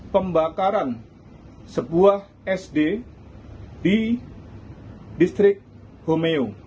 pembakaran sebuah sd di distrik homeo